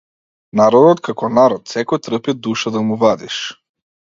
Народот како народ секој трпи душа да му вадиш.